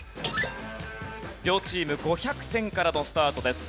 両チーム５００点からのスタートです。